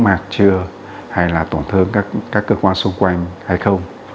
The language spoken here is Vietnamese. mạc chưa hay là tổn thương các cơ quan xung quanh hay không